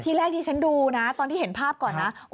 แรกที่ฉันดูนะตอนที่เห็นภาพก่อนนะ